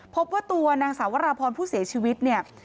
พบว่าตัวนางสาววราพรผู้เสียชีวิตเนี่ย